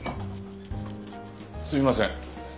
すみません